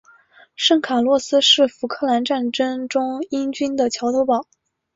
圣卡洛斯是福克兰战争中英军的桥头堡。